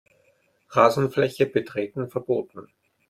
Rasenfläche betreten verboten.